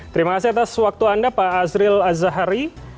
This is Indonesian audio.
terima kasih atas waktu anda pak azril azahari